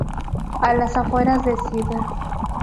A las afueras de Cd.